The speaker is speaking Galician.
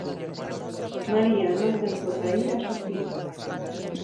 María non desbota ir á xustiza.